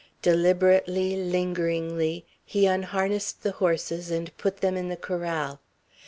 Deliberately, lingeringly, he unharnessed the horses and put them in the corral.